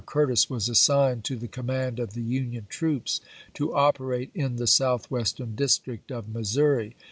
Curtis was assigned to the command of the Union troops to operate in the Southwestern District of Missouri.